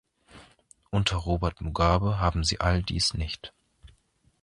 Unter Robert Mugabe haben sie all dies nicht.